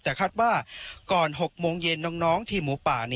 แต่คาดว่าก่อน๖โมงเย็นน้องทีมหมูป่า